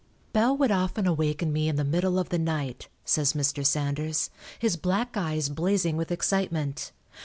"Bell would often awaken me in the middle of the night," says Mr. Sanders, "his black eyes blazing with excitement.